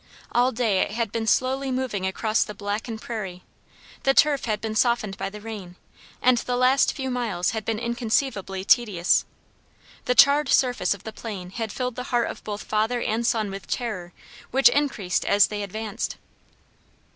All day it had been slowly moving across the blackened prairie. The turf had been softened by the rain and the last few miles had been inconceivably tedious. The charred surface of the plain had filled the heart of both father and son with terror, which increased as they advanced.